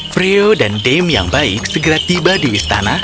freyo dan dem yang baik segera tiba di istana